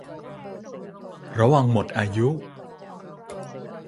ระวังหมดอายุ